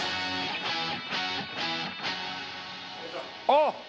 あっ！